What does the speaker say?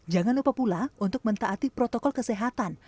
jangan lupa pula untuk mentaati protokol kesehatan